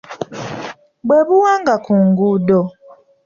Bwe buwanga ku nguudo.